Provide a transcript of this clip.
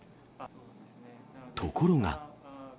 ところが。